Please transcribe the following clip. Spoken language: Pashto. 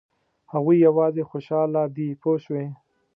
هغوی یوازې خوشاله دي پوه شوې!.